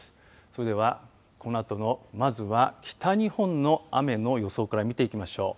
それではこのあとのまずは北日本の雨の予想から見ていきましょう。